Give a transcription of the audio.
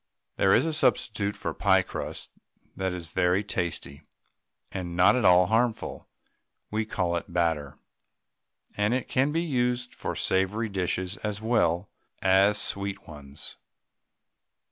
There is a substitute for pie crusts that is very tasty, and not at all harmful. We call it "batter," and it can be used for savoury dishes as well as sweet ones.